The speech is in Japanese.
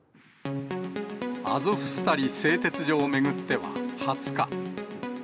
アゾフスタリ製鉄所を巡っては２０日。